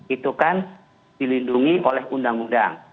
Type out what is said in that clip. itu kan dilindungi oleh undang undang